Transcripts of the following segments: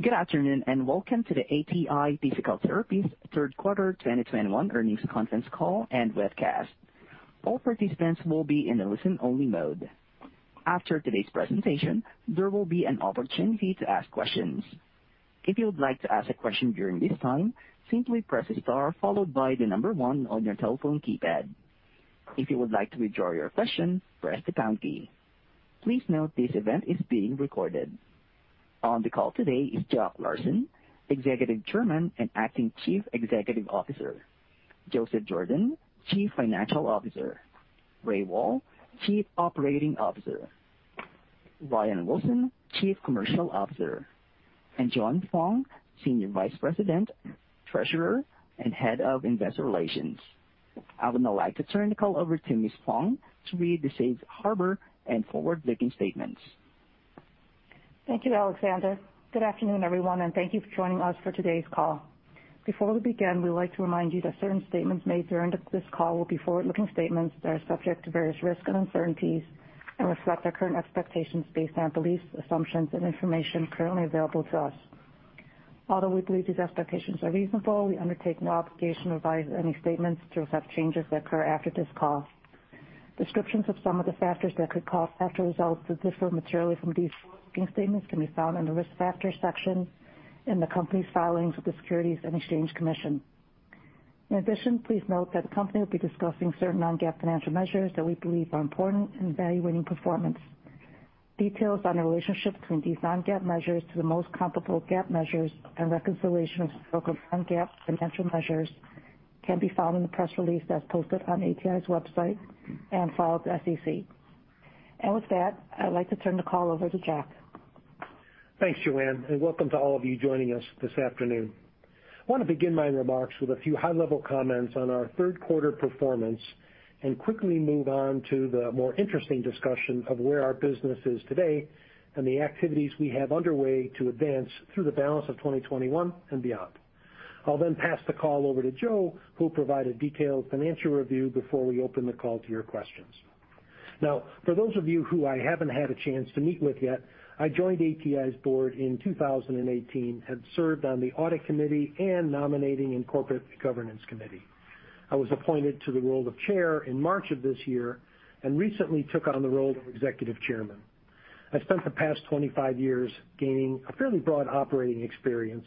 Good afternoon, and welcome to the ATI Physical Therapy's third quarter 2021 earnings conference call and webcast. All participants will be in a listen-only mode. After today's presentation, there will be an opportunity to ask questions. If you would like to ask a question during this time, simply press star followed by the number 1 on your telephone keypad. If you would like to withdraw your question, press the pound key. Please note this event is being recorded. On the call today is Jack Larsen, Executive Chairman and Acting Chief Executive Officer. Joseph Jordan, Chief Financial Officer. Ray Wahl, Chief Operating Officer. Ryan Wilson, Chief Commercial Officer, and Joanne Fong, Senior Vice President, Treasurer and Head of Investor Relations. I would now like to turn the call over to Ms. Fong to read the safe harbor and forward-looking statements. Thank you, Alexander. Good afternoon, everyone, and thank you for joining us for today's call. Before we begin, we'd like to remind you that certain statements made during this call will be forward-looking statements that are subject to various risks and uncertainties and reflect our current expectations based on beliefs, assumptions and information currently available to us. Although we believe these expectations are reasonable, we undertake no obligation to revise any statements to reflect changes that occur after this call. Descriptions of some of the factors that could cause actual results to differ materially from these forward-looking statements can be found in the Risk Factors section in the company's filings with the Securities and Exchange Commission. In addition, please note that the company will be discussing certain non-GAAP financial measures that we believe are important in evaluating performance. Details on the relationship between these non-GAAP measures to the most comparable GAAP measures and reconciliation of these non-GAAP financial measures can be found in the press release as posted on ATI's website and filed with SEC. With that, I'd like to turn the call over to Jack. Thanks, Joanne, and welcome to all of you joining us this afternoon. I wanna begin my remarks with a few high-level comments on our third quarter performance and quickly move on to the more interesting discussion of where our business is today and the activities we have underway to advance through the balance of 2021 and beyond. I'll then pass the call over to Joe, who'll provide a detailed financial review before we open the call to your questions. Now, for those of you who I haven't had a chance to meet with yet, I joined ATI's board in 2018, have served on the Audit Committee and Nominating and Corporate Governance Committee. I was appointed to the role of Chair in March of this year and recently took on the role of Executive Chairman. I spent the past 25 years gaining a fairly broad operating experience,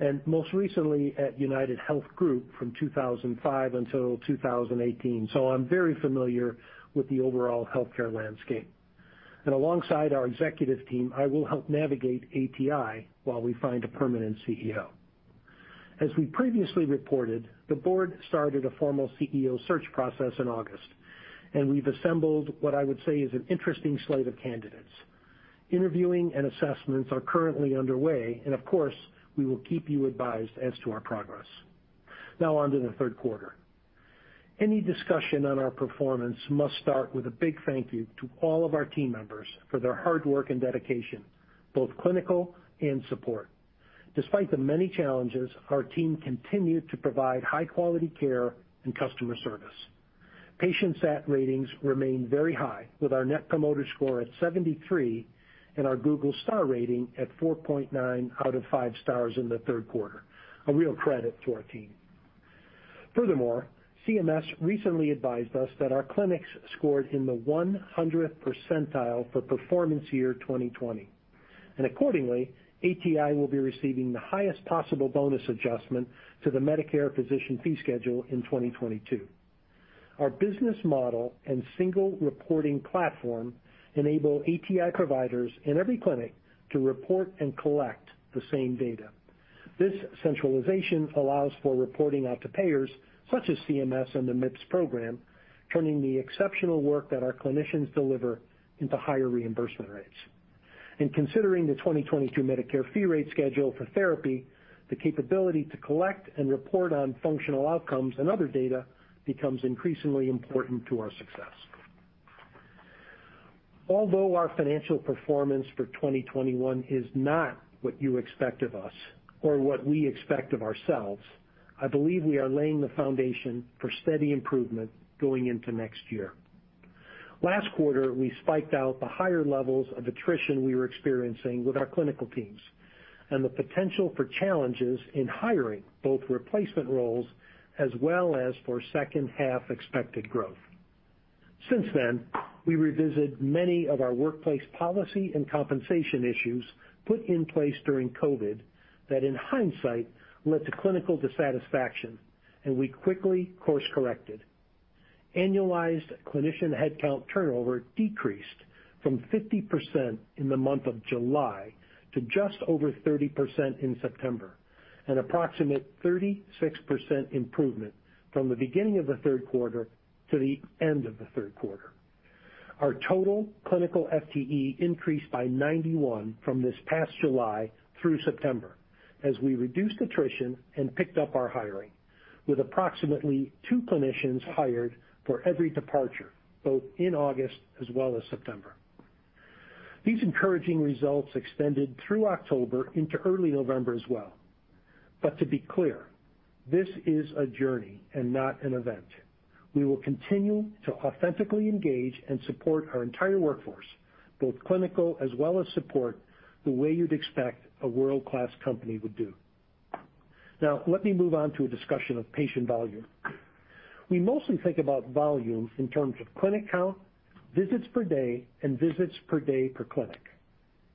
and most recently at UnitedHealth Group from 2005 until 2018. I'm very familiar with the overall healthcare landscape. Alongside our executive team, I will help navigate ATI while we find a permanent CEO. As we previously reported, the board started a formal CEO search process in August, and we've assembled what I would say is an interesting slate of candidates. Interviewing and assessments are currently underway, and of course, we will keep you advised as to our progress. Now on to the third quarter. Any discussion on our performance must start with a big thank you to all of our team members for their hard work and dedication, both clinical and support. Despite the many challenges, our team continued to provide high-quality care and customer service. Patient satisfaction ratings remain very high, with our net promoter score at 73 and our Google star rating at 4.9 out of 5 stars in the third quarter, a real credit to our team. Furthermore, CMS recently advised us that our clinics scored in the 100th percentile for performance year 2020. Accordingly, ATI will be receiving the highest possible bonus adjustment to the Medicare Physician Fee Schedule in 2022. Our business model and single reporting platform enable ATI providers in every clinic to report and collect the same data. This centralization allows for reporting out to payers such as CMS and the MIPS program, turning the exceptional work that our clinicians deliver into higher reimbursement rates. Considering the 2022 Medicare fee rate schedule for therapy, the capability to collect and report on functional outcomes and other data becomes increasingly important to our success. Although our financial performance for 2021 is not what you expect of us or what we expect of ourselves, I believe we are laying the foundation for steady improvement going into next year. Last quarter, we called out the higher levels of attrition we were experiencing with our clinical teams and the potential for challenges in hiring both replacement roles as well as for second-half expected growth. Since then, we revisited many of our workplace policy and compensation issues put in place during COVID that in hindsight led to clinical dissatisfaction, and we quickly course-corrected. Annualized clinician headcount turnover decreased from 50% in the month of July to just over 30% in September, an approximate 36% improvement from the beginning of the third quarter to the end of the third quarter. Our total clinical FTE increased by 91 from this past July through September as we reduced attrition and picked up our hiring, with approximately two clinicians hired for every departure, both in August as well as September. These encouraging results extended through October into early November as well. To be clear, this is a journey and not an event. We will continue to authentically engage and support our entire workforce, both clinical as well as support, the way you'd expect a world-class company would do. Now, let me move on to a discussion of patient volume. We mostly think about volume in terms of clinic count, visits per day, and visits per day per clinic.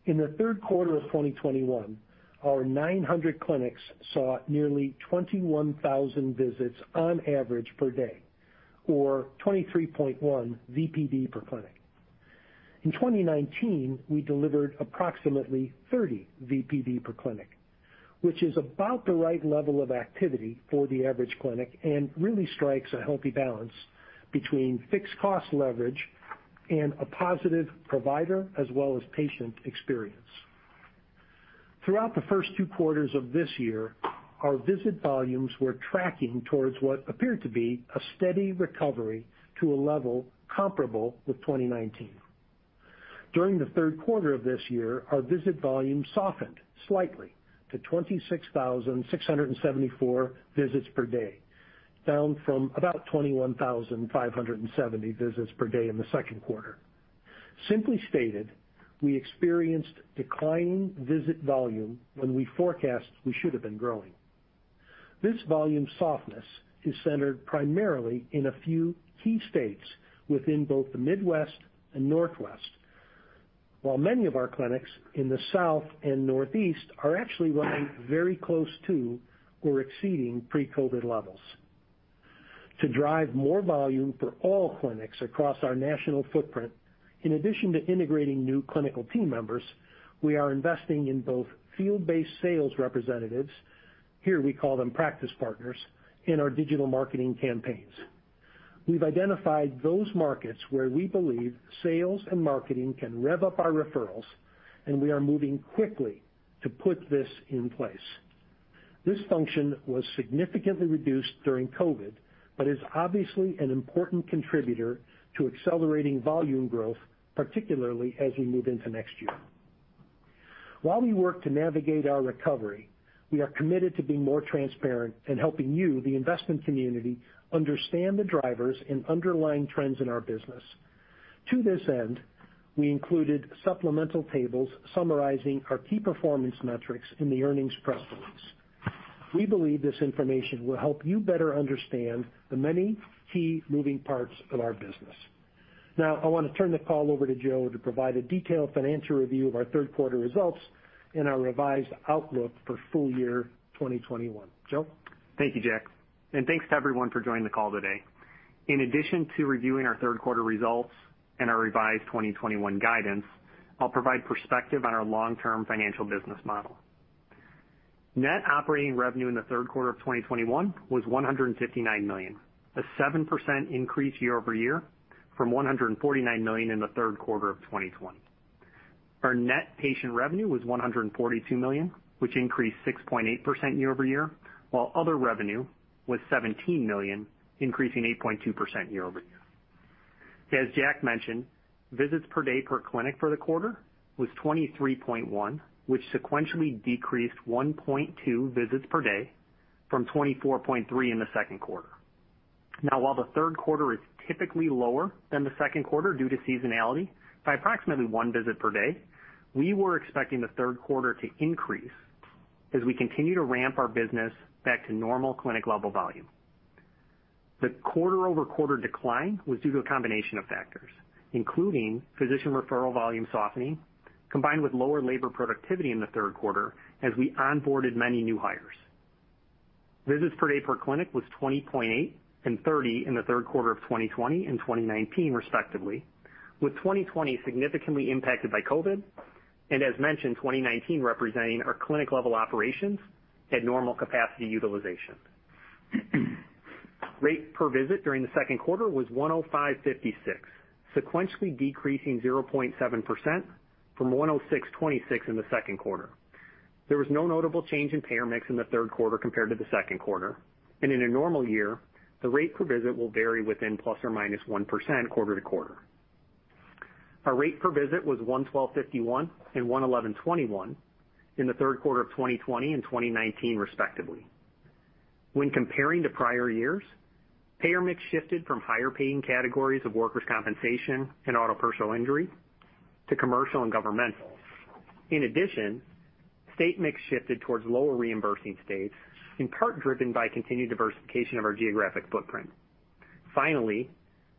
In the third quarter of 2021, our 900 clinics saw nearly 21,000 visits on average per day or 23.1 VPD per clinic. In 2019, we delivered approximately 30 VPD per clinic, which is about the right level of activity for the average clinic and really strikes a healthy balance between fixed cost leverage and a positive provider, as well as patient experience. Throughout the first two quarters of this year, our visit volumes were tracking towards what appeared to be a steady recovery to a level comparable with 2019. During the third quarter of this year, our visit volume softened slightly to 26,674 visits per day, down from about 21,570 visits per day in the second quarter. Simply stated, we experienced declining visit volume when we forecast we should have been growing. This volume softness is centered primarily in a few key states within both the Midwest and Northwest. While many of our clinics in the South and Northeast are actually running very close to or exceeding pre-COVID levels. To drive more volume for all clinics across our national footprint, in addition to integrating new clinical team members, we are investing in both field-based sales representatives, here we call them practice partners, in our digital marketing campaigns. We've identified those markets where we believe sales and marketing can rev up our referrals, and we are moving quickly to put this in place. This function was significantly reduced during COVID, but is obviously an important contributor to accelerating volume growth, particularly as we move into next year. While we work to navigate our recovery, we are committed to being more transparent and helping you, the investment community, understand the drivers and underlying trends in our business. To this end, we included supplemental tables summarizing our key performance metrics in the earnings press release. We believe this information will help you better understand the many key moving parts of our business. Now, I wanna turn the call over to Joe to provide a detailed financial review of our third quarter results and our revised outlook for full year 2021. Joe? Thank you, Jack, and thanks to everyone for joining the call today. In addition to reviewing our third quarter results and our revised 2021 guidance, I'll provide perspective on our long-term financial business model. Net operating revenue in the third quarter of 2021 was $159 million, a 7% increase year-over-year from $149 million in the third quarter of 2020. Our net patient revenue was $142 million, which increased 6.8% year-over-year, while other revenue was $17 million, increasing 8.2% year-over-year. As Jack mentioned, visits per day per clinic for the quarter was 23.1, which sequentially decreased 1.2 visits per day from 24.3 in the second quarter. While the third quarter is typically lower than the second quarter due to seasonality by approximately ne visit per day, we were expecting the third quarter to increase as we continue to ramp our business back to normal clinic level volume. The quarter-over-quarter decline was due to a combination of factors, including physician referral volume softening, combined with lower labor productivity in the third quarter as we onboarded many new hires. Visits per day per clinic was 20.8 and 30 in the third quarter of 2020 and 2019 respectively, with 2020 significantly impacted by COVID, and as mentioned, 2019 representing our clinic level operations at normal capacity utilization. Rate per visit during the second quarter was $105.56, sequentially decreasing 0.7% from $106.26 in the second quarter. There was no notable change in payer mix in the third quarter compared to the second quarter, and in a normal year, the rate per visit will vary within ±1% quarter to quarter. Our rate per visit was $112.51 and $111.21 in the third quarter of 2020 and 2019 respectively. When comparing to prior years, payer mix shifted from higher paying categories of workers' compensation and auto personal injury to commercial and governmental. In addition, state mix shifted towards lower reimbursing states, in part driven by continued diversification of our geographic footprint. Finally,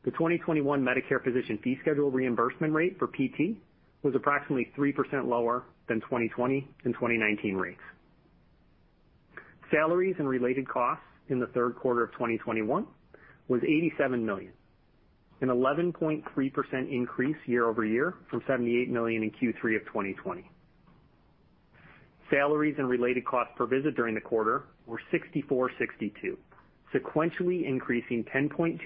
the 2021 Medicare Physician Fee Schedule reimbursement rate for PT was approximately 3% lower than 2020 and 2019 rates. Salaries and related costs in the third quarter of 2021 were $87 million, an 11.3% increase year-over-year from $78 million in Q3 of 2020. Salaries and related costs per visit during the quarter were $64.62, sequentially increasing 10.2%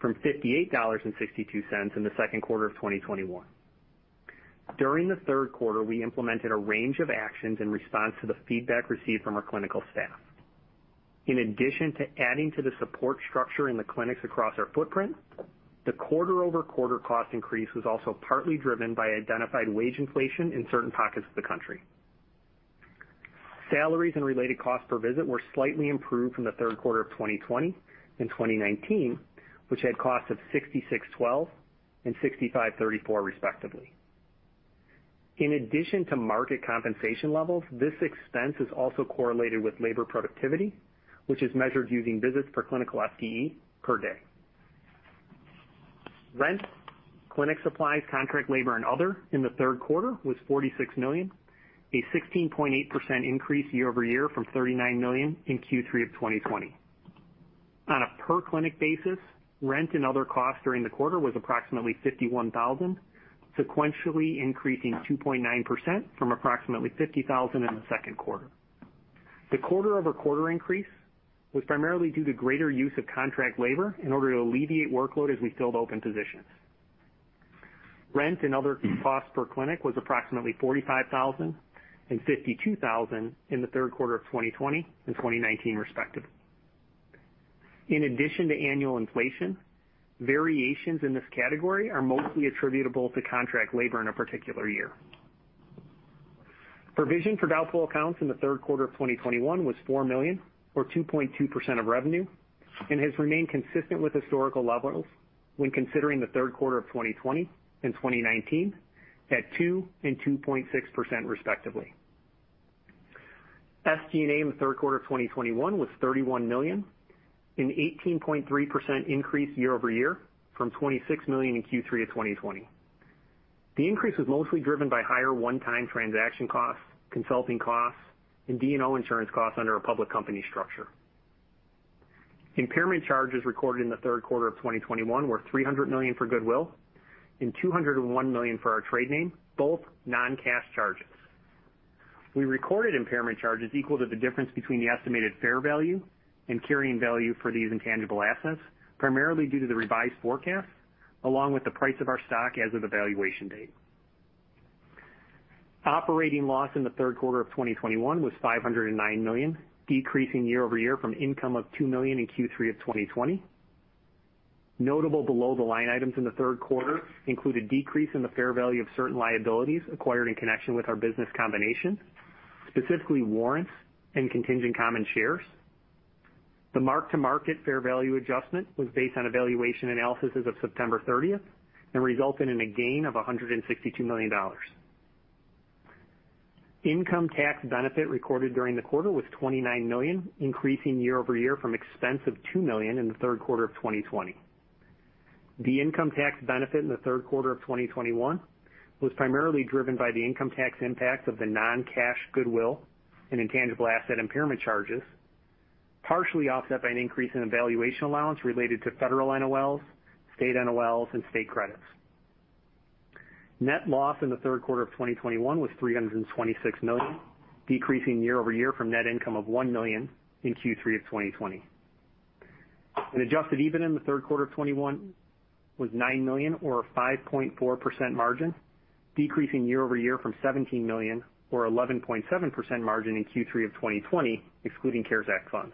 from $58.62 in the second quarter of 2021. During the third quarter, we implemented a range of actions in response to the feedback received from our clinical staff. In addition to adding to the support structure in the clinics across our footprint, the quarter-over-quarter cost increase was also partly driven by identified wage inflation in certain pockets of the country. Salaries and related costs per visit were slightly improved from the third quarter of 2020 and 2019, which had costs of $66.12 and $65.34 respectively. In addition to market compensation levels, this expense is also correlated with labor productivity, which is measured using visits per clinical FTE per day. Rent, clinic supplies, contract labor, and other in the third quarter was $46 million, a 16.8% increase year-over-year from $39 million in Q3 of 2020. On a per clinic basis, rent and other costs during the quarter was approximately $51,000, sequentially increasing 2.9% from approximately $50,000 in the second quarter. The quarter-over-quarter increase was primarily due to greater use of contract labor in order to alleviate workload as we filled open positions. Rent and other costs per clinic was approximately $45,000 and $52,000 in the third quarter of 2020 and 2019 respectively. In addition to annual inflation, variations in this category are mostly attributable to contract labor in a particular year. Provision for doubtful accounts in the third quarter of 2021 was $4 million or 2.2% of revenue and has remained consistent with historical levels when considering the third quarter of 2020 and 2019 at 2% and 2.6% respectively. SG&A in the third quarter of 2021 was $31 million, an 18.3% increase year-over-year from $26 million in Q3 of 2020. The increase was mostly driven by higher one-time transaction costs, consulting costs, and D&O insurance costs under our public company structure. Impairment charges recorded in the third quarter of 2021 were $300 million for goodwill and $201 million for our trade name, both non-cash charges. We recorded impairment charges equal to the difference between the estimated fair value and carrying value for these intangible assets, primarily due to the revised forecast, along with the price of our stock as of the valuation date. Operating loss in the third quarter of 2021 was $509 million, decreasing year-over-year from income of $2 million in Q3 of 2020. Notable below-the-line items in the third quarter include a decrease in the fair value of certain liabilities acquired in connection with our business combination, specifically warrants and contingent common shares. The mark-to-market fair value adjustment was based on a valuation analysis as of September 30 and resulted in a gain of $162 million. Income tax benefit recorded during the quarter was $29 million, increasing year-over-year from expense of $2 million in the third quarter of 2020. The income tax benefit in the third quarter of 2021 was primarily driven by the income tax impact of the non-cash goodwill and intangible asset impairment charges, partially offset by an increase in the valuation allowance related to federal NOLs, state NOLs, and state credits. Net loss in the third quarter of 2021 was $326 million, decreasing year-over-year from net income of $1 million in Q3 of 2020. Adjusted EBIT in the third quarter of 2021 was $9 million or 5.4% margin, decreasing year-over-year from $17 million or 11.7% margin in Q3 of 2020, excluding CARES Act funds.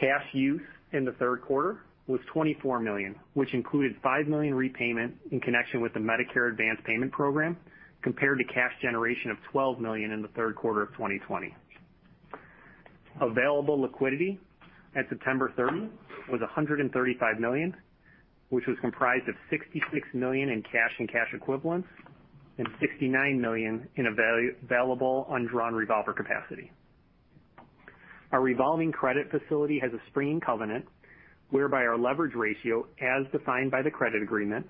Cash use in the third quarter was $24 million, which included $5 million repayment in connection with the Medicare Advance Payment program, compared to cash generation of $12 million in the third quarter of 2020. Available liquidity at September 30 was $135 million, which was comprised of $66 million in cash and cash equivalents and $69 million in available undrawn revolver capacity. Our revolving credit facility has a springing covenant whereby our leverage ratio, as defined by the credit agreement,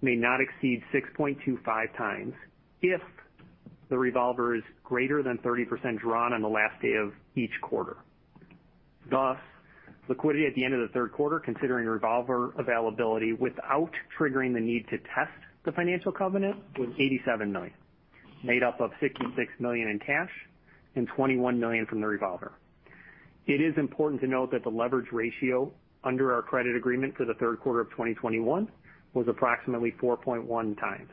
may not exceed 6.25 times if the revolver is greater than 30% drawn on the last day of each quarter. Thus, liquidity at the end of the third quarter, considering revolver availability without triggering the need to test the financial covenant, was $87 million, made up of $66 million in cash and $21 million from the revolver. It is important to note that the leverage ratio under our credit agreement for the third quarter of 2021 was approximately 4.1 times.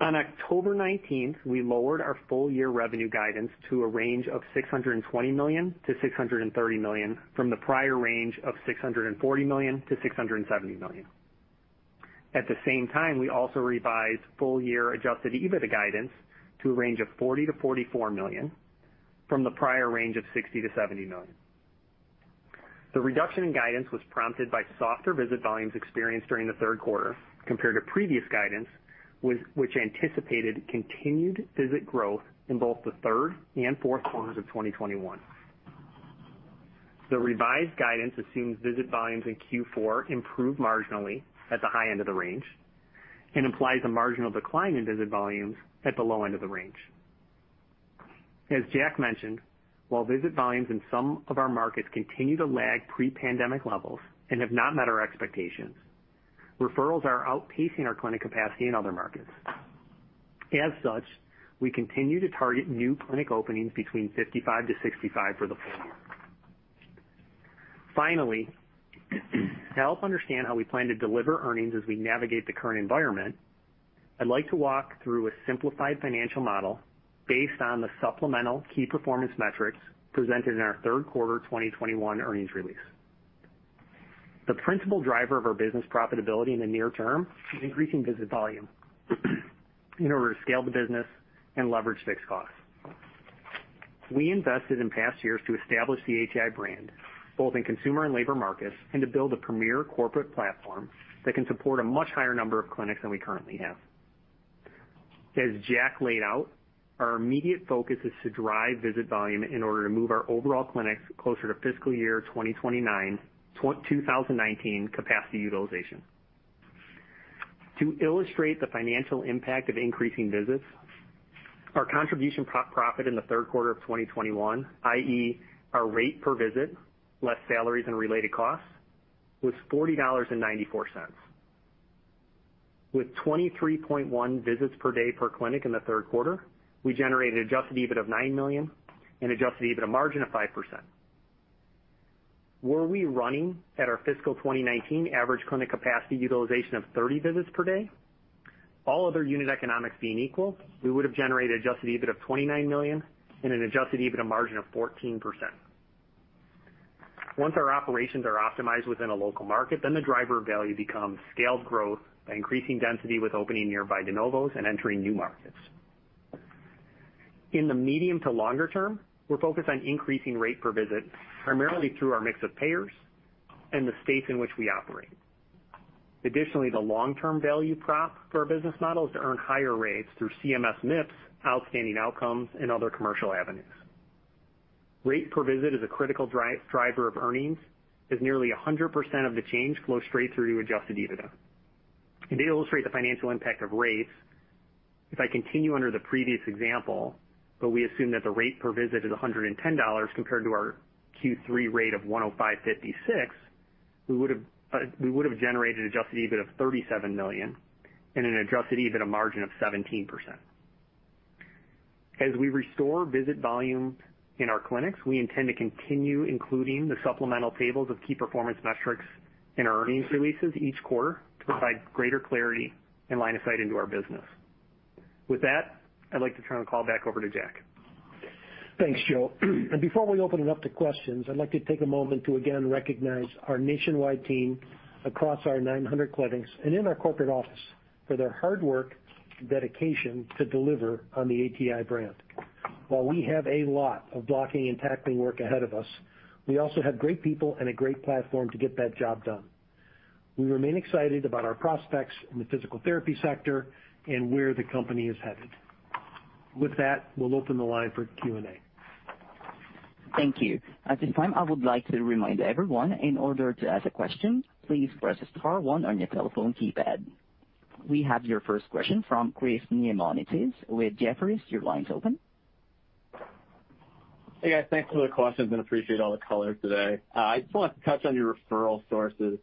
On October 19, we lowered our full-year revenue guidance to a range of $620 million-$630 million from the prior range of $640 million-$670 million. At the same time, we also revised full-year adjusted EBITDA guidance to a range of $40 million-$44 million from the prior range of $60 million-$70 million. The reduction in guidance was prompted by softer visit volumes experienced during the third quarter compared to previous guidance which anticipated continued visit growth in both the third and fourth quarters of 2021. The revised guidance assumes visit volumes in Q4 improve marginally at the high end of the range and implies a marginal decline in visit volumes at the low end of the range. As Jack mentioned, while visit volumes in some of our markets continue to lag pre-pandemic levels and have not met our expectations, referrals are outpacing our clinic capacity in other markets. As such, we continue to target new clinic openings between 55-65 for the full year. Finally, to help understand how we plan to deliver earnings as we navigate the current environment, I'd like to walk through a simplified financial model based on the supplemental key performance metrics presented in our third quarter 2021 earnings release. The principal driver of our business profitability in the near term is increasing visit volume in order to scale the business and leverage fixed costs. We invested in past years to establish the ATI brand, both in consumer and labor markets, and to build a premier corporate platform that can support a much higher number of clinics than we currently have. As Jack laid out, our immediate focus is to drive visit volume in order to move our overall clinics closer to fiscal year 2019 capacity utilization. To illustrate the financial impact of increasing visits, our contribution profit in the third quarter of 2021, i.e., our rate per visit, less salaries and related costs, was $40.94. With 23.1 visits per day per clinic in the third quarter, we generated adjusted EBIT of $9 million and adjusted EBITDA margin of 5%. Were we running at our fiscal 2019 average clinic capacity utilization of 30 visits per day, all other unit economics being equal, we would have generated adjusted EBIT of $29 million and an adjusted EBITDA margin of 14%. Once our operations are optimized within a local market, then the driver value becomes scaled growth by increasing density with opening nearby de novos and entering new markets. In the medium to longer term, we're focused on increasing rate per visit primarily through our mix of payers and the states in which we operate. Additionally, the long-term value prop for our business model is to earn higher rates through CMS MIPS, outstanding outcomes, and other commercial avenues. Rate per visit is a critical driver of earnings, as nearly 100% of the change flows straight through to adjusted EBITDA. To illustrate the financial impact of rates, if I continue under the previous example, but we assume that the rate per visit is $110 compared to our Q3 rate of $105.56, we would have generated adjusted EBIT of $37 million and an adjusted EBITDA margin of 17%. As we restore visit volume in our clinics, we intend to continue including the supplemental tables of key performance metrics in our earnings releases each quarter to provide greater clarity and line of sight into our business. With that, I'd like to turn the call back over to Jack. Thanks, Joe. Before we open it up to questions, I'd like to take a moment to again recognize our nationwide team across our 900 clinics and in our corporate office for their hard work and dedication to deliver on the ATI brand. While we have a lot of blocking and tackling work ahead of us, we also have great people and a great platform to get that job done. We remain excited about our prospects in the physical therapy sector and where the company is headed. With that, we'll open the line for Q&A. Thank you. At this time, I would like to remind everyone in order to ask a question, please press star one on your telephone keypad. We have your first question from Chris Neamonitis with Jefferies. Your line's open. Hey, guys. Thanks for the questions and appreciate all the color today. I just want to touch on your referral sources.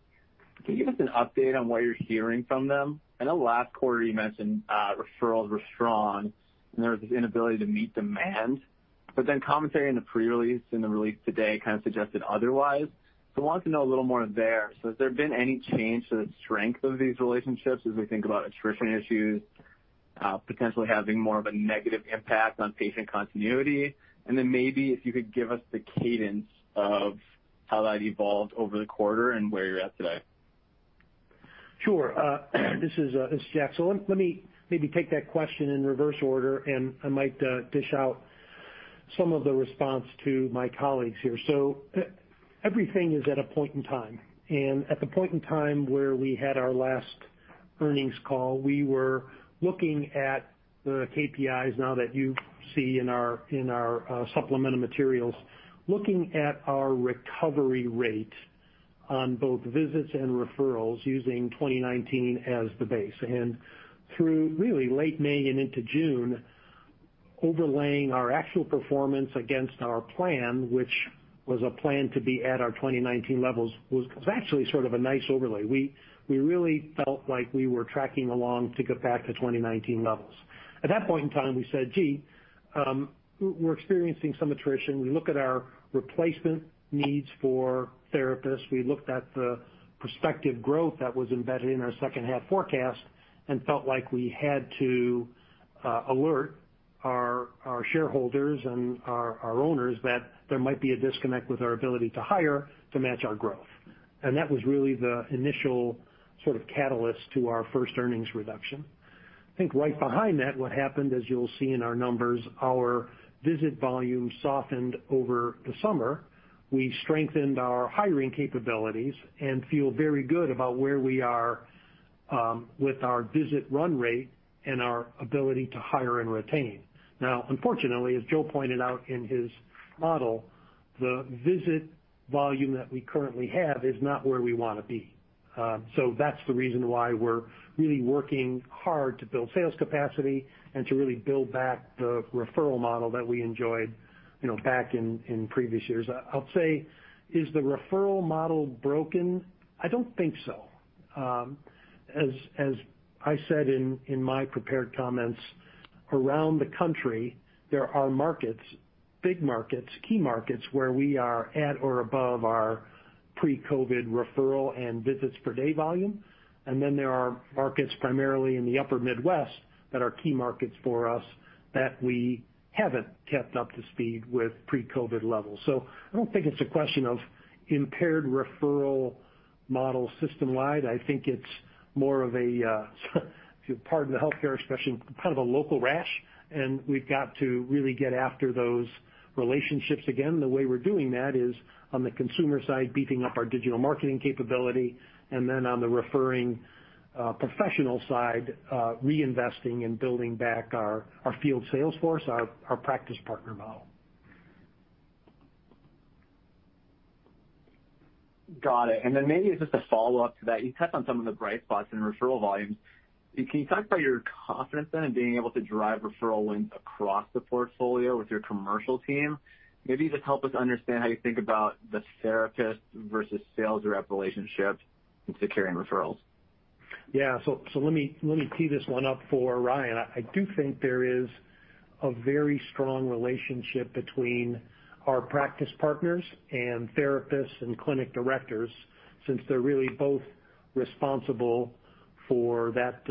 Can you give us an update on what you're hearing from them? I know last quarter you mentioned, referrals were strong and there was this inability to meet demand. Commentary in the pre-release and the release today kind of suggested otherwise. I wanted to know a little more there. Has there been any change to the strength of these relationships as we think about attrition issues, potentially having more of a negative impact on patient continuity? Maybe if you could give us the cadence of how that evolved over the quarter and where you're at today. Sure. This is Jack. Let me maybe take that question in reverse order, and I might dish out some of the response to my colleagues here. Everything is at a point in time. At the point in time where we had our last earnings call, we were looking at the KPIs now that you see in our supplemental materials, looking at our recovery rate on both visits and referrals using 2019 as the base. Through really late May and into June, overlaying our actual performance against our plan, which was a plan to be at our 2019 levels, was actually sort of a nice overlay. We really felt like we were tracking along to get back to 2019 levels. At that point in time, we said, "Gee, we're experiencing some attrition." We look at our replacement needs for therapists. We looked at the prospective growth that was embedded in our second half forecast and felt like we had to alert our shareholders and our owners that there might be a disconnect with our ability to hire to match our growth. That was really the initial sort of catalyst to our first earnings reduction. I think right behind that, what happened, as you'll see in our numbers, our visit volume softened over the summer. We strengthened our hiring capabilities and feel very good about where we are with our visit run rate and our ability to hire and retain. Now, unfortunately, as Joe pointed out in his model, the visit volume that we currently have is not where we wanna be. That's the reason why we're really working hard to build sales capacity and to really build back the referral model that we enjoyed, you know, back in previous years. I'll say, is the referral model broken? I don't think so. As I said in my prepared comments, around the country, there are markets, big markets, key markets, where we are at or above our pre-COVID referral and visits per day volume. Then there are markets primarily in the upper Midwest that are key markets for us that we haven't kept up to speed with pre-COVID levels. I don't think it's a question of impaired referral model system-wide. I think it's more of a, if you pardon the healthcare expression, kind of a local rash, and we've got to really get after those relationships again. The way we're doing that is on the consumer side, beefing up our digital marketing capability, and then on the referring professional side, reinvesting and building back our field sales force, our practice partner model. Got it. Maybe just a follow-up to that. You touched on some of the bright spots in referral volumes. Can you talk about your confidence then in being able to drive referral wins across the portfolio with your commercial team? Maybe just help us understand how you think about the therapist versus sales rep relationship in securing referrals. Yeah. Let me tee this one up for Ryan. I do think there is a very strong relationship between our practice partners and therapists and clinic directors since they're really both responsible for that,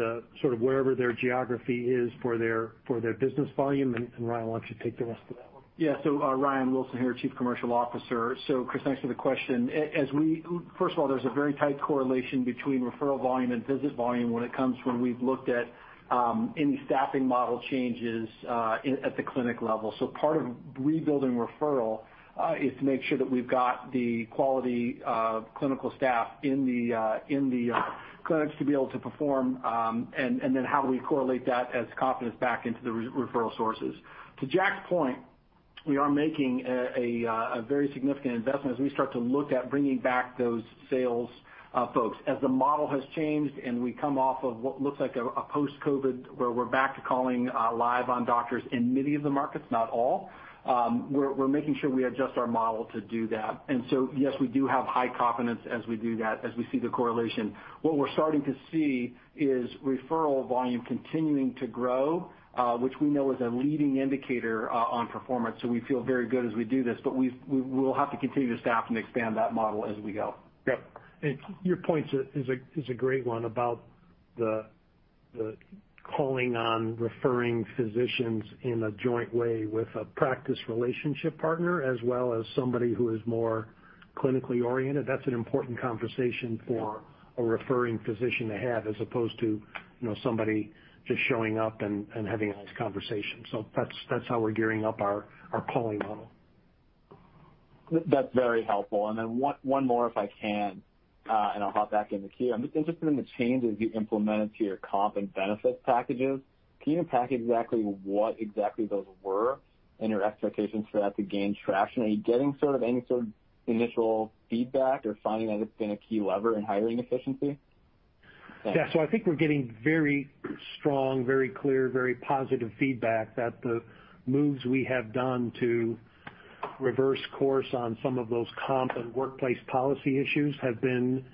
sort of wherever their geography is for their business volume. Ryan, why don't you take the rest of that one? Ryan Wilson here, Chief Commercial Officer. Chris, thanks for the question. First of all, there's a very tight correlation between referral volume and visit volume when we've looked at any staffing model changes at the clinic level. Part of rebuilding referral is to make sure that we've got the quality of clinical staff in the clinics to be able to perform, and then how do we correlate that as confidence back into the referral sources. To Jack's point, we are making a very significant investment as we start to look at bringing back those sales folks. As the model has changed and we come off of what looks like a post-COVID where we're back to calling live on doctors in many of the markets, not all, we're making sure we adjust our model to do that. Yes, we do have high confidence as we do that, as we see the correlation. What we're starting to see is referral volume continuing to grow, which we know is a leading indicator on performance. We feel very good as we do this, but we will have to continue to staff and expand that model as we go. Yep. Your point is a great one about the calling on referring physicians in a joint way with a practice partner as well as somebody who is more clinically oriented. That's an important conversation for- Yeah. a referring physician to have as opposed to, you know, somebody just showing up and having a nice conversation. That's how we're gearing up our calling model. That's very helpful. One more if I can, and I'll hop back in the queue. I'm just interested in the changes you implemented to your comp and benefit packages. Can you unpack exactly what those were and your expectations for that to gain traction? Are you getting sort of any sort of initial feedback or finding that it's been a key lever in hiring efficiency? Yeah. I think we're getting very strong, very clear, very positive feedback that the moves we have done to reverse course on some of those comp and workplace policy issues have been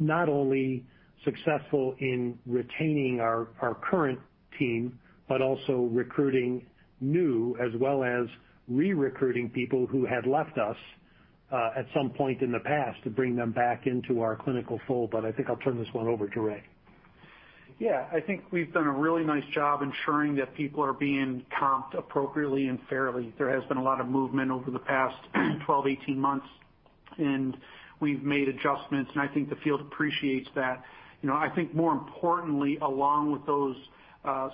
not only successful in retaining our current team, but also recruiting new as well as re-recruiting people who had left us at some point in the past to bring them back into our clinical fold. I think I'll turn this one over to Ray. Yeah. I think we've done a really nice job ensuring that people are being comped appropriately and fairly. There has been a lot of movement over the past 12, 18 months, and we've made adjustments, and I think the field appreciates that. You know, I think more importantly, along with those,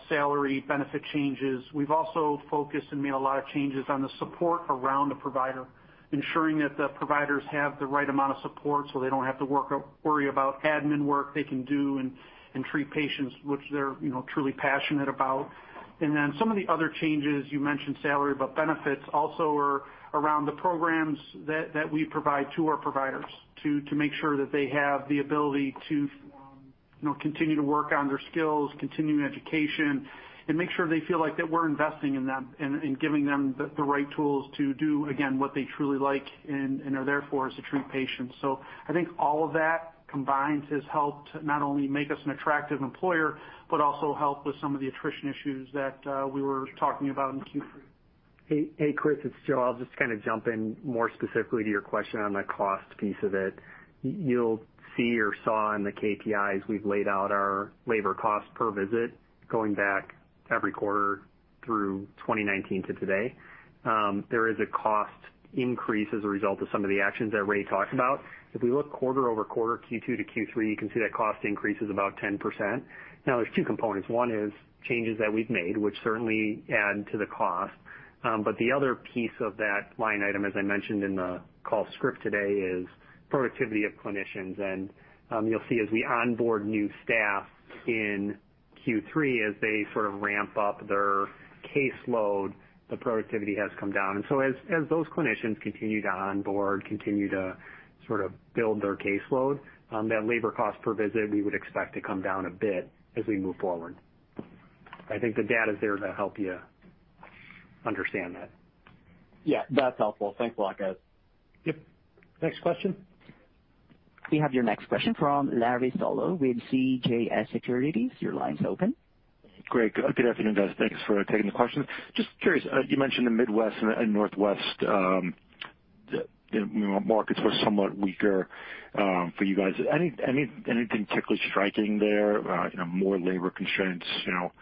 salary benefit changes, we've also focused and made a lot of changes on the support around the provider, ensuring that the providers have the right amount of support so they don't have to worry about admin work they can do and treat patients, which they're, you know, truly passionate about. Some of the other changes, you mentioned salary, but benefits also are around the programs that we provide to our providers to make sure that they have the ability to, you know, continue to work on their skills, continue education, and make sure they feel like that we're investing in them and giving them the right tools to do, again, what they truly like and are there for, is to treat patients. I think all of that combined has helped not only make us an attractive employer, but also help with some of the attrition issues that we were talking about in Q3. Hey, Chris, it's Joe. I'll just kind of jump in more specifically to your question on the cost piece of it. You'll see or saw in the KPIs, we've laid out our labor cost per visit going back every quarter through 2019 to today. There is a cost increase as a result of some of the actions that Ray talked about. If we look quarter-over-quarter, Q2 to Q3, you can see that cost increase is about 10%. Now there's two components. One is changes that we've made, which certainly add to the cost. But the other piece of that line item, as I mentioned in the call script today, is productivity of clinicians. You'll see as we onboard new staff in Q3, as they sort of ramp up their caseload, the productivity has come down. As those clinicians continue to onboard, continue to sort of build their caseload, that labor cost per visit, we would expect to come down a bit as we move forward. I think the data is there to help you. Understand that. Yeah, that's helpful. Thanks a lot, guys. Yep. Next question. We have your next question from Larry Solow with CJS Securities. Your line's open. Greg, good afternoon, guys. Thanks for taking the questions. Just curious, you mentioned the Midwest and Northwest markets were somewhat weaker for you guys. Anything particularly striking there? You know, more labor constraints, you know,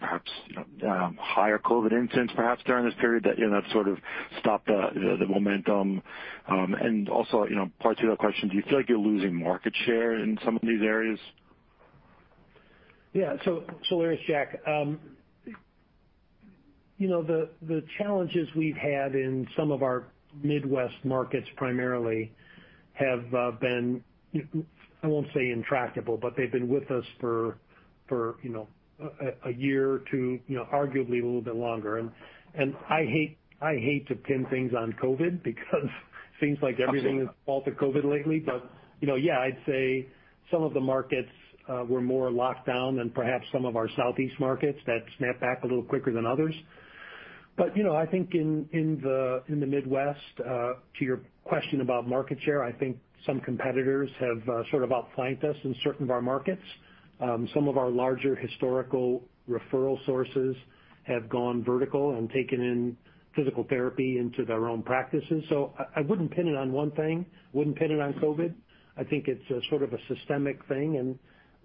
perhaps, you know, higher COVID incidence perhaps during this period that, you know, sort of stopped the momentum? Also, you know, part two of the question, do you feel like you're losing market share in some of these areas? Yeah, Larry, it's Jack, you know, the challenges we've had in some of our Midwest markets primarily have been. I won't say intractable, but they've been with us for you know, a year or two, you know, arguably a little bit longer. I hate to pin things on COVID because it seems like everything is blamed on COVID lately, but you know, yeah, I'd say some of the markets were more locked down than perhaps some of our Southeast markets that snapped back a little quicker than others. I think in the Midwest, to your question about market share, I think some competitors have sort of outflanked us in certain of our markets. Some of our larger historical referral sources have gone vertical and taken in physical therapy into their own practices. I wouldn't pin it on one thing. Wouldn't pin it on COVID. I think it's a sort of a systemic thing, and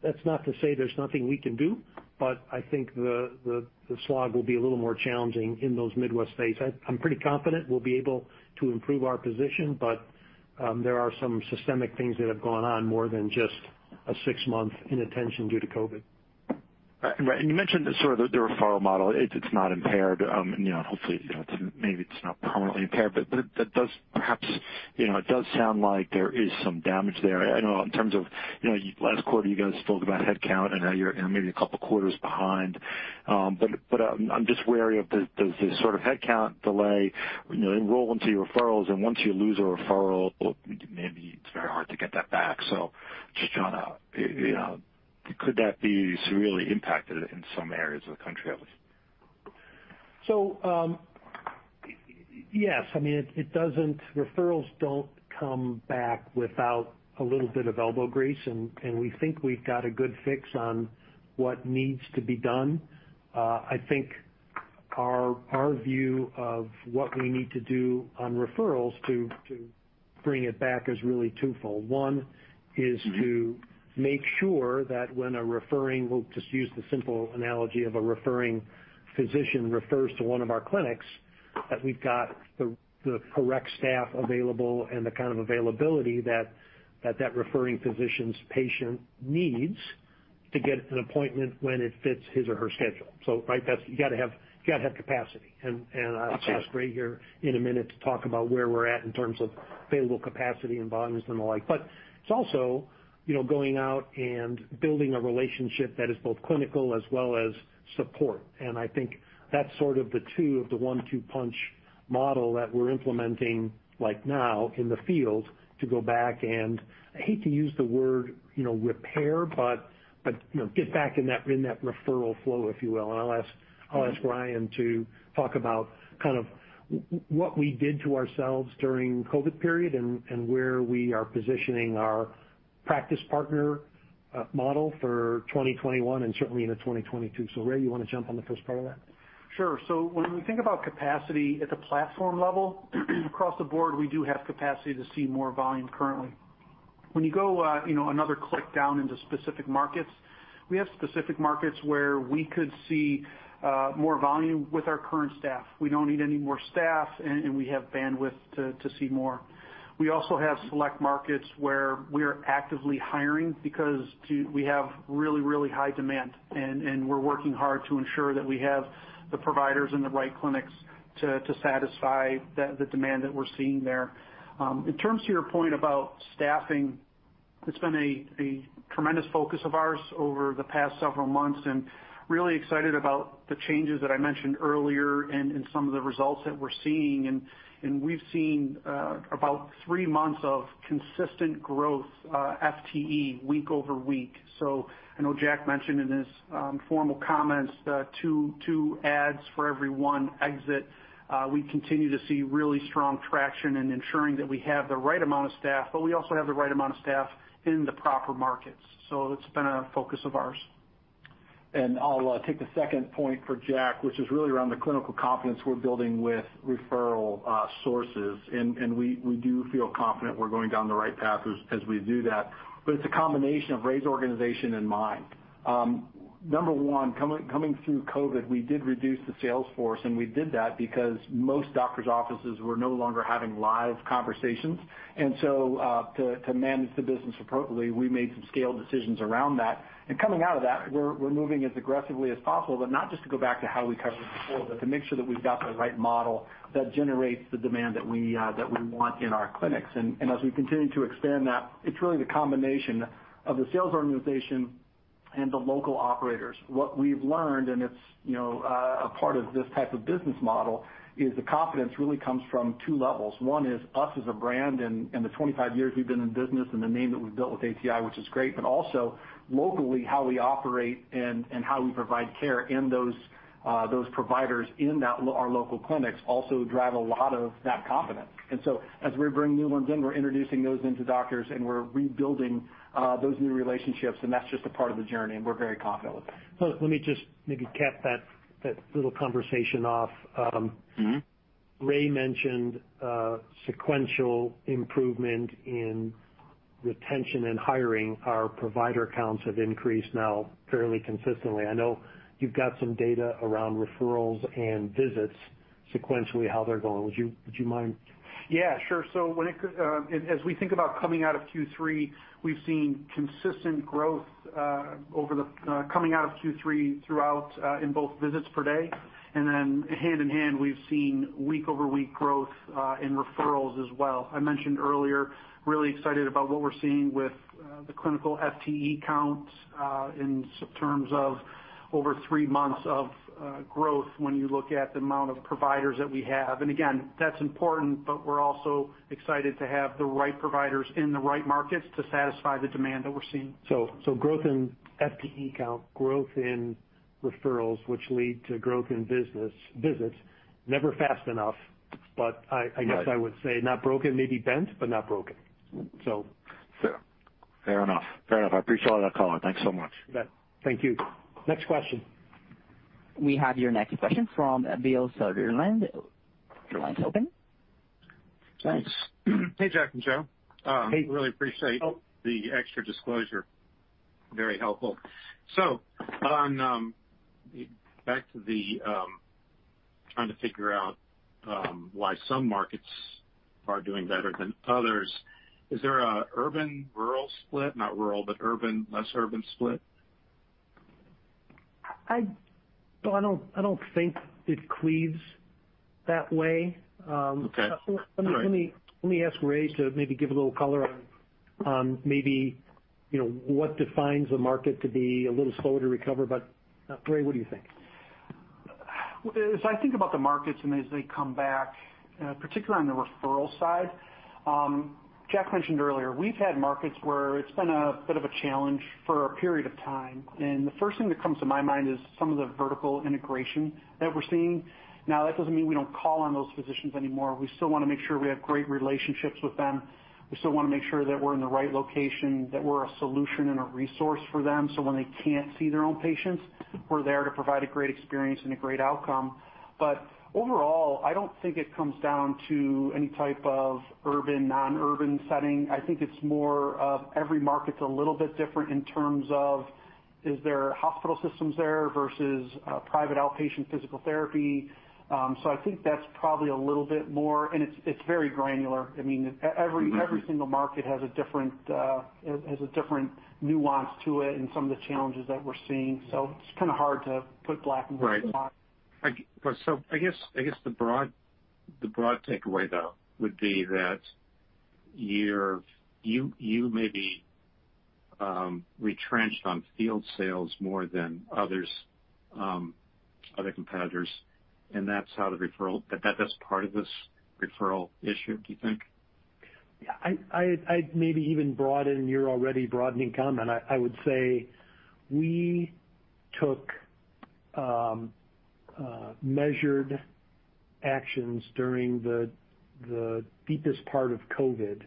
that's not to say there's nothing we can do, but I think the slog will be a little more challenging in those Midwest states. I'm pretty confident we'll be able to improve our position, but there are some systemic things that have gone on more than just a six-month inattention due to COVID. Right. You mentioned sort of the referral model, it's not impaired. You know, hopefully, you know, maybe it's not permanently impaired, but that does perhaps, you know, it does sound like there is some damage there. I know in terms of, you know, last quarter you guys spoke about headcount, and now you're maybe a couple quarters behind. But I'm just wary of the the sort of headcount delay, you know, inroads into your referrals, and once you lose a referral, maybe it's very hard to get that back. Just trying to, you know, could that be severely impacted in some areas of the country at least? Yes. I mean, it doesn't. Referrals don't come back without a little bit of elbow grease, and we think we've got a good fix on what needs to be done. I think our view of what we need to do on referrals to bring it back is really twofold. One is to make sure that we'll just use the simple analogy of a referring physician refers to one of our clinics, that we've got the correct staff available and the kind of availability that referring physician's patient needs to get an appointment when it fits his or her schedule. Right, that's. You gotta have capacity. I'll ask Ray here in a minute to talk about where we're at in terms of available capacity and volumes and the like. It's also, you know, going out and building a relationship that is both clinical as well as support. I think that's sort of the two of the one-two punch model that we're implementing like now in the field to go back and, I hate to use the word, you know, repair, but, you know, get back in that, in that referral flow, if you will. I'll ask Ryan to talk about kind of what we did to ourselves during COVID period and where we are positioning our practice partner model for 2021 and certainly into 2022. Ray, you wanna jump on the first part of that? Sure. When we think about capacity at the platform level, across the board, we do have capacity to see more volume currently. When you go, another click down into specific markets, we have specific markets where we could see, more volume with our current staff. We don't need any more staff, and we have bandwidth to see more. We also have select markets where we're actively hiring because we have really, really high demand, and we're working hard to ensure that we have the providers in the right clinics to satisfy the demand that we're seeing there. In terms of your point about staffing, it's been a tremendous focus of ours over the past several months, and really excited about the changes that I mentioned earlier and some of the results that we're seeing. We've seen about 3 months of consistent growth FTE week over week. I know Jack mentioned in his formal comments two ads for every one exit. We continue to see really strong traction in ensuring that we have the right amount of staff, but we also have the right amount of staff in the proper markets. It's been a focus of ours. I'll take the second point for Jack, which is really around the clinical confidence we're building with referral sources. We do feel confident we're going down the right path as we do that. It's a combination of Ray's organization and mine. Number one, coming through COVID, we did reduce the sales force, and we did that because most doctor's offices were no longer having live conversations. To manage the business appropriately, we made some scale decisions around that. Coming out of that, we're moving as aggressively as possible, but not just to go back to how we covered before, but to make sure that we've got the right model that generates the demand that we want in our clinics. As we continue to expand that, it's really the combination of the sales organization and the local operators. What we've learned, and it's, you know, a part of this type of business model, is the confidence really comes from two levels. One is us as a brand and the 25 years we've been in business and the name that we've built with ATI, which is great, but also locally, how we operate and how we provide care in those providers in that our local clinics also drive a lot of that confidence. As we bring new ones in, we're introducing those into doctors, and we're rebuilding those new relationships, and that's just a part of the journey, and we're very confident with it. Let me just maybe cap that little conversation off. Ray mentioned sequential improvement in retention and hiring. Our provider counts have increased now fairly consistently. I know you've got some data around referrals and visits sequentially, how they're going. Would you mind? Yeah, sure. As we think about coming out of Q3, we've seen consistent growth over coming out of Q3 throughout in both visits per day, and then hand in hand, we've seen week-over-week growth in referrals as well. I mentioned earlier, really excited about what we're seeing with the clinical FTE counts in terms of over three months of growth when you look at the amount of providers that we have. That's important, but we're also excited to have the right providers in the right markets to satisfy the demand that we're seeing. Growth in FTE count, growth in referrals, which lead to growth in business, visits. Never fast enough, but I- Right. I guess I would say not broken, maybe bent, but not broken, so. Fair. Fair enough. I appreciate all that color. Thanks so much. You bet. Thank you. Next question. We have your next question from Bill Sutherland. Your line's open. Thanks. Hey, Jack and Joe. Hey. really appreciate the extra disclosure. Very helpful. Back to trying to figure out why some markets are doing better than others, is there an urban/rural split? Not rural, but urban/less urban split. I don't think it cleaves that way. Okay. All right. Let me ask Ray to maybe give a little color on maybe, you know, what defines a market to be a little slower to recover. But, Ray, what do you think? As I think about the markets and as they come back, particularly on the referral side, Jack mentioned earlier, we've had markets where it's been a bit of a challenge for a period of time. The first thing that comes to my mind is some of the vertical integration that we're seeing. Now, that doesn't mean we don't call on those physicians anymore. We still wanna make sure we have great relationships with them. We still wanna make sure that we're in the right location, that we're a solution and a resource for them, so when they can't see their own patients, we're there to provide a great experience and a great outcome. Overall, I don't think it comes down to any type of urban, non-urban setting. I think it's more of every market's a little bit different in terms of is there hospital systems there versus private outpatient physical therapy. So I think that's probably a little bit more, and it's very granular. I mean, every- Every single market has a different nuance to it and some of the challenges that we're seeing. It's kinda hard to put it in black and white. Right. I guess the broad takeaway, though, would be that you may be retrenched on field sales more than others, other competitors, and that's part of this referral issue, do you think? I'd maybe even broaden your already broadened comment. I would say we took measured actions during the deepest part of COVID-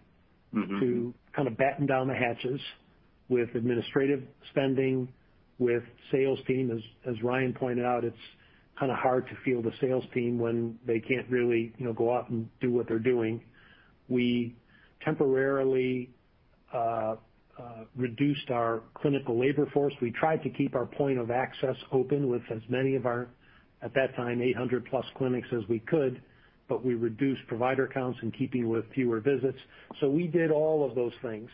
To kind of batten down the hatches with administrative spending, with sales team. As Ryan pointed out, it's kinda hard to field a sales team when they can't really, you know, go out and do what they're doing. We temporarily reduced our clinical labor force. We tried to keep our point of access open with as many of our, at that time, 800+ clinics as we could, but we reduced provider counts in keeping with fewer visits. We did all of those things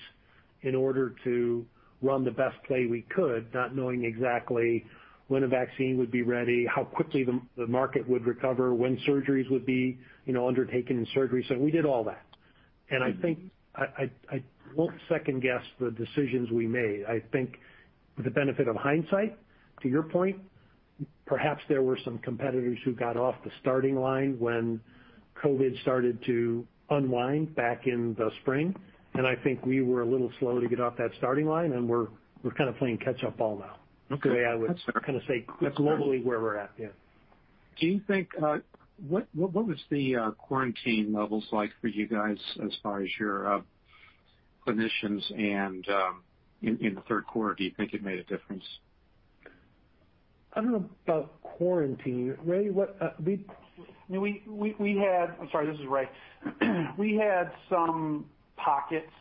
in order to run the best play we could, not knowing exactly when a vaccine would be ready, how quickly the market would recover, when surgeries would be, you know, undertaken in surgery. We did all that. I think I won't second-guess the decisions we made. I think with the benefit of hindsight, to your point, perhaps there were some competitors who got off the starting line when COVID started to unwind back in the spring, and I think we were a little slow to get off that starting line, and we're kinda playing catch-up ball now. Okay. That's fair. The way I would kinda say globally where we're at, yeah. Do you think what was the quarantine levels like for you guys as far as your clinicians and in the third quarter? Do you think it made a difference? I don't know about quarantine. Ray, what we- I'm sorry, this is Ray. We had some pockets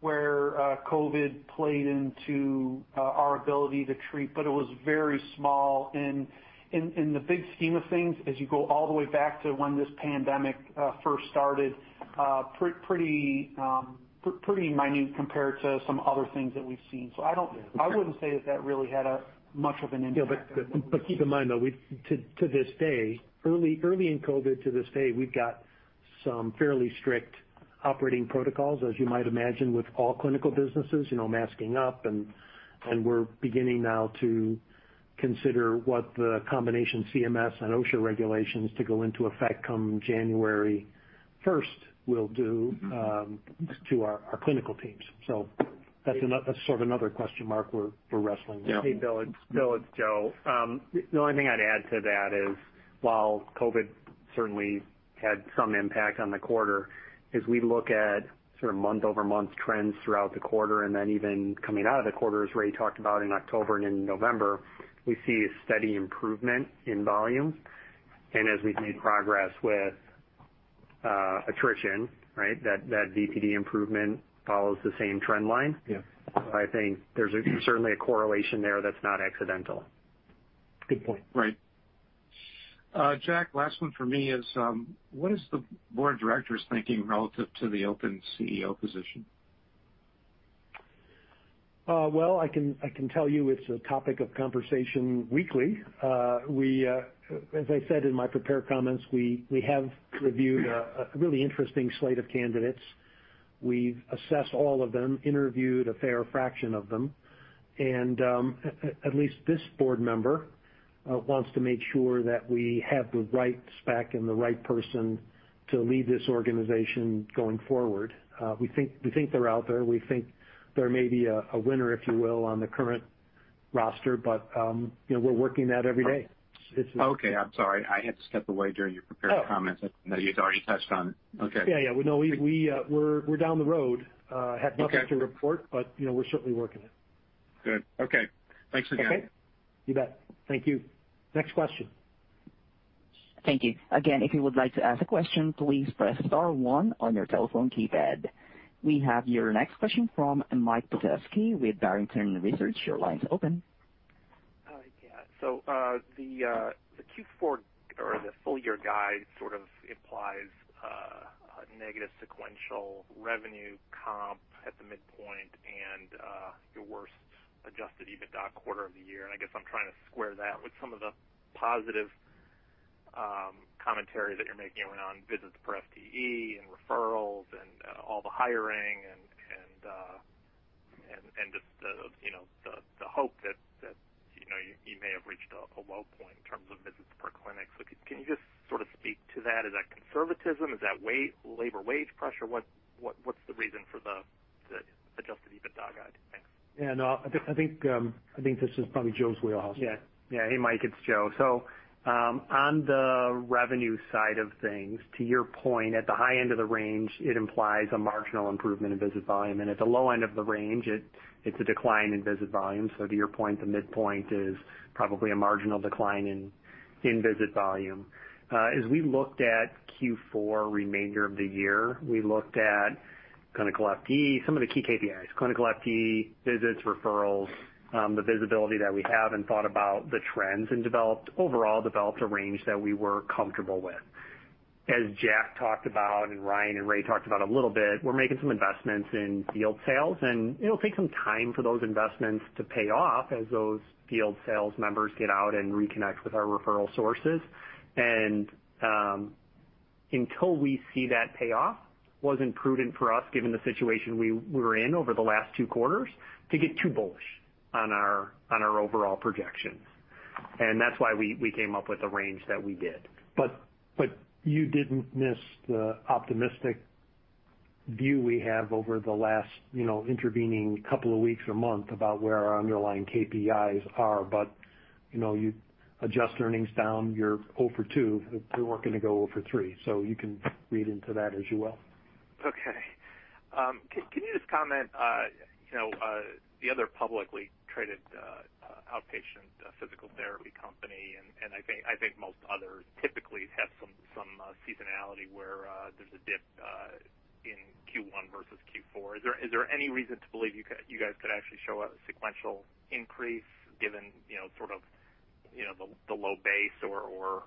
where COVID played into our ability to treat, but it was very small and in the big scheme of things, as you go all the way back to when this pandemic first started, pretty minute compared to some other things that we've seen. I don't Yeah. I wouldn't say that really had much of an impact on. Yeah, keep in mind, though, to this day, early in COVID to this day, we've got some fairly strict operating protocols, as you might imagine, with all clinical businesses, you know, masking up, and we're beginning now to consider what the combination CMS and OSHA regulations to go into effect come January first will do to our clinical teams. That's sort of another question mark we're wrestling with. Yeah. Hey, Bill, it's Bill, it's Joe. The only thing I'd add to that is, while COVID certainly had some impact on the quarter, as we look at sort of month-over-month trends throughout the quarter and then even coming out of the quarter, as Ray talked about in October and in November, we see a steady improvement in volume. As we've made progress with attrition, right? That VPD improvement follows the same trend line. Yeah. I think there's certainly a correlation there that's not accidental. Good point. Right. Jack, last one for me is what is the board of directors thinking relative to the open CEO position? Well, I can tell you it's a topic of conversation weekly. We, as I said in my prepared comments, have reviewed a really interesting slate of candidates. We've assessed all of them, interviewed a fair fraction of them, and at least this board member wants to make sure that we have the right spec and the right person to lead this organization going forward. We think they're out there. We think there may be a winner, if you will, on the current roster, but you know, we're working that every day. Okay. I'm sorry. I had stepped away during your prepared comments. I didn't know you'd already touched on it. Okay. Yeah. Well, no, we're down the road. Okay. Have nothing to report, but, you know, we're certainly working it. Good. Okay. Thanks again. Okay. You bet. Thank you. Next question. Thank you. Again, if you would like to ask a question, please press star one on your telephone keypad. We have your next question from Mike Petusky with Barrington Research. Your line is open. Yeah. The Q4 or the full year guide sort of implies a negative sequential revenue comp at the midpoint and your worst adjusted EBITDA quarter of the year. I guess I'm trying to square that with some of the positive commentary that you're making around visits per FTE and referrals and all the hiring and just the, you know, the hope that you know you may have reached a low point in terms of visits per clinic. Can you just sort of speak to that? Is that conservatism? Is that labor wage pressure? What's the reason for the adjusted EBITDA guide? Thanks. Yeah, no, I think this is probably Joe's wheelhouse. Hey, Mike, it's Joe. On the revenue side of things, to your point, at the high end of the range, it implies a marginal improvement in visit volume, and at the low end of the range, it's a decline in visit volume. To your point, the midpoint is probably a marginal decline in visit volume. As we looked at Q4 remainder of the year, we looked at clinical FTE, some of the key KPIs, clinical FTE, visits, referrals, the visibility that we have and thought about the trends and developed overall a range that we were comfortable with. As Jack talked about and Ryan and Ray talked about a little bit, we're making some investments in field sales, and it'll take some time for those investments to pay off as those field sales members get out and reconnect with our referral sources. Until we see that payoff wasn't prudent for us, given the situation we're in over the last two quarters, to get too bullish on our overall projections. That's why we came up with the range that we did. you didn't miss the optimistic view we have over the last, you know, intervening couple of weeks or month about where our underlying KPIs are. you know, you adjust earnings down, you're oh for two. We're working to go oh for three. you can read into that as you will. Okay. Can you just comment, you know, the other publicly traded outpatient physical therapy company, and I think most others typically have some seasonality where there's a dip in Q1 versus Q4. Is there any reason to believe you guys could actually show a sequential increase given, you know, sort of, you know, the low base or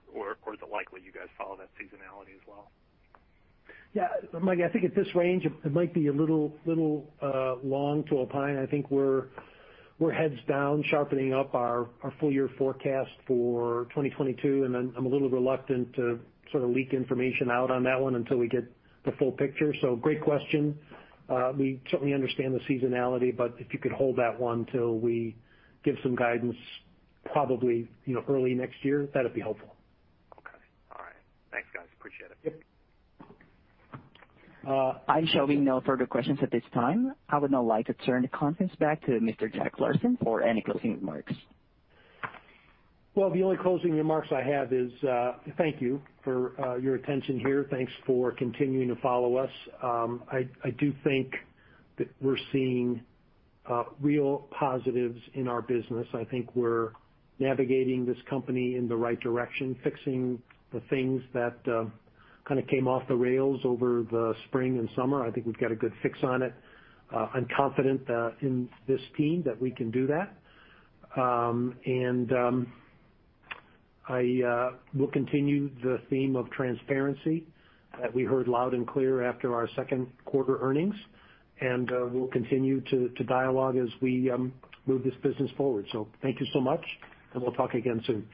is it likely you guys follow that seasonality as well? Yeah. Mike, I think at this range, it might be a little long to opine. I think we're heads down sharpening up our full year forecast for 2022, and I'm a little reluctant to sort of leak information out on that one until we get the full picture. Great question. We certainly understand the seasonality, but if you could hold that one till we give some guidance probably, you know, early next year, that'd be helpful. Okay. All right. Thanks, guys. Appreciate it. Yep. I'm showing no further questions at this time. I would now like to turn the conference back to Mr. Jack Larsen for any closing remarks. Well, the only closing remarks I have is, thank you for your attention here. Thanks for continuing to follow us. I do think that we're seeing real positives in our business. I think we're navigating this company in the right direction, fixing the things that kind of came off the rails over the spring and summer. I think we've got a good fix on it. I'm confident in this team that we can do that. I will continue the theme of transparency that we heard loud and clear after our second quarter earnings. We'll continue to dialogue as we move this business forward. Thank you so much, and we'll talk again soon.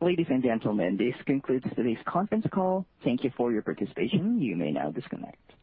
Ladies and gentlemen, this concludes today's conference call. Thank you for your participation. You may now disconnect.